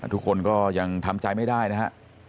ทุกคนก็ยังทำใจไม่ได้นะฮะ